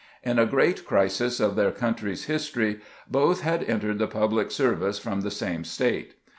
In a great crisis of their country's history both had entered the public service from the same State.